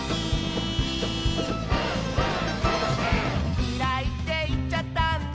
「きらいっていっちゃったんだ」